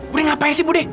budi ngapain sih budi